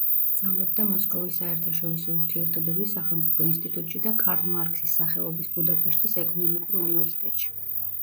სწავლობდა მოსკოვის საერთაშორისო ურთიერთობების სახელმწიფო ინსტიტუტში და კარლ მარქსის სახელობის ბუდაპეშტის ეკონომიკურ უნივერსიტეტში.